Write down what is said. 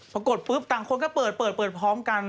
ปรากฏปุ๊บต่างคนก็เปิดเปิดพร้อมกัน